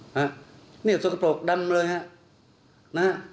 นี่เรื่อยมมันสุขโกะโปรบดันเลยเลยฮะ